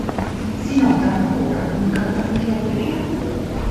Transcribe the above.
Si nota ancora un campanile a vela.